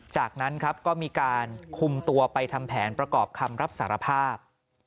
จากนั้นครับก็มีการคุมตัวไปทำแผนประกอบคำรับสารภาพ